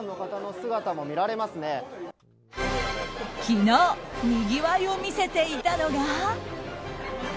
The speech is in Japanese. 昨日、にぎわいを見せていたのが。